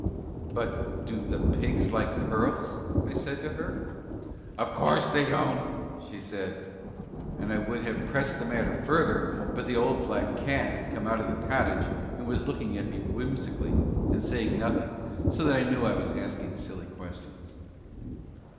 "But do the pigs like pearls?" I said to her. "Of course they don't," she said. And I would have pressed the matter further but the old black cat had come out of the cottage and was looking at me whimsically and saying nothing so that I knew I was asking silly questions.